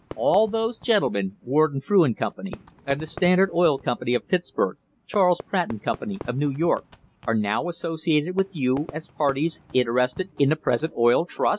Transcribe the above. All those gentlemen, Warden, Frew and Company, and the Standard Oil Com pany of Pittsburg, Charles Pratt and Company, of New York, are now associated with you as parties interested in the present Oil Trust